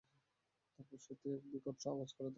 তারপর সত্যি সত্যিই এক বিকট আওয়াজ তাদেরকে আঘাত করল।